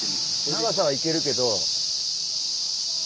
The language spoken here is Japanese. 長さはいけるけど。